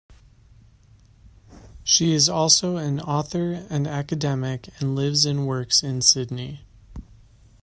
She is also an author and academic and lives and works in Sydney.